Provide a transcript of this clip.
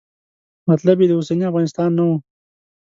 مطلب یې د اوسني افغانستان نه و.